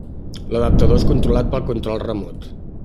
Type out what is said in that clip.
L'adaptador és controlat pel control remot.